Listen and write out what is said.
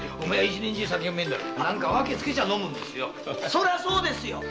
そりゃそうですよ